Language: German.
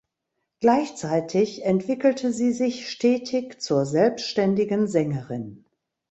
Gleichzeitig entwickelte sie sich stetig zur selbstständigen Sängerin.